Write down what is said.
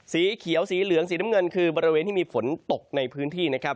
สีเขียวสีเหลืองสีน้ำเงินคือบริเวณที่มีฝนตกในพื้นที่นะครับ